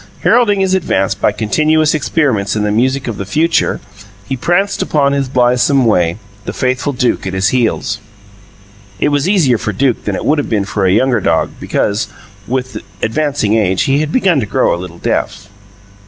Heralding his advance by continuous experiments in the music of the future, he pranced upon his blithesome way, the faithful Duke at his heels. (It was easier for Duke than it would have been for a younger dog, because, with advancing age, he had begun to grow a little deaf.)